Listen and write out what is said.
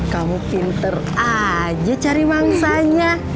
kamu pinter aja cari mangsanya